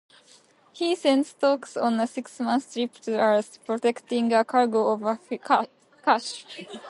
He sends Stokes on a six-month trip to Earth, protecting a cargo of cash.